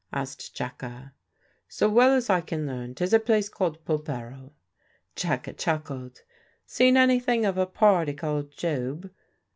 asked Jacka. "So well as I can learn, 'tis a place called Polperro." Jacka chuckled. "Seen anything of a party called Job?"